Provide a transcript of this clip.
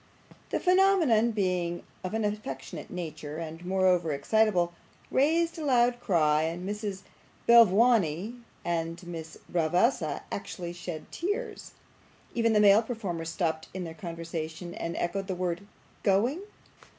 The phenomenon, being of an affectionate nature and moreover excitable, raised a loud cry, and Miss Belvawney and Miss Bravassa actually shed tears. Even the male performers stopped in their conversation, and echoed the word 'Going!